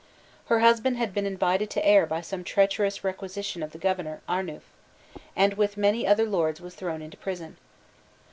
Her husband had been invited to Ayr by some treacherous requisition of the governor, Arnuf; and with many other lords was thrown into prison.